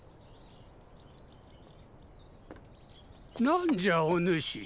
何じゃお主。